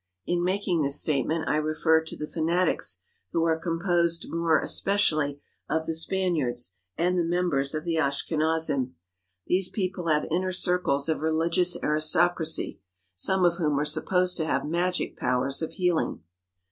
In making this statement 1 refer to the fanatics who are composed more especially of the Spaniards and the members of the Ashkenazim. These people have inner circles of religious aristocracy, some 70 JEWS OF JERUSALEM of whom are supposed to have magic powers of healing.